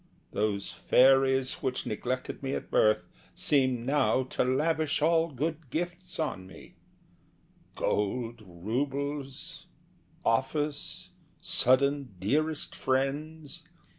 Those fairies which neglected me at birth Seemed now to lavish all good gifts on me Gold roubles, office, sudden dearest friends.